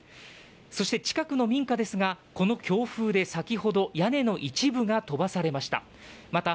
そして近くの民家ですがこの強風で先ほど屋根の一部が飛ばされました。